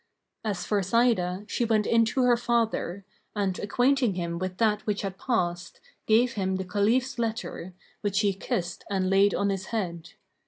As for Sa'idah, she went in to her father; and, acquainting him with that which had passed, gave him the Caliph's letter, which he kissed and laid on his head.